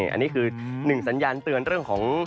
อันนี้คือหนึ่งสัญญาณเตือนเรื่องของ